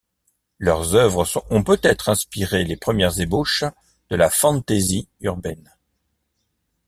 Leurs œuvres ont peut-être inspiré les premières ébauches de la fantasy urbaine.